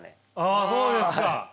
あそうですか。